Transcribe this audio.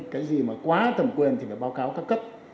cái gì mà quá thẩm quyền thì phải báo cáo các cấp